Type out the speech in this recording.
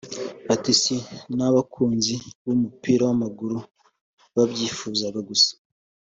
Ati “Si abakunzi b’umupira w’amaguru babyifuzaga gusa